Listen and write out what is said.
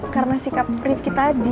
karena sikap rifki tadi